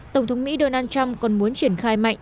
tổng thống mỹ donald trump còn muốn triển khai mạnh